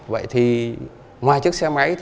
vậy thì ngoài chiếc xe máy